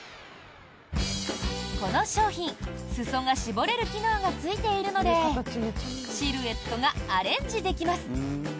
この商品裾が絞れる機能がついているのでシルエットがアレンジできます。